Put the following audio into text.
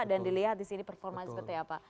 dan dilihat disini performa seperti apa